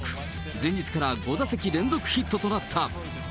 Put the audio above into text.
前日から５打席連続ヒットとなった。